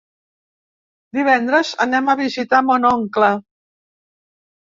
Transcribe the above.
Divendres anem a visitar mon oncle.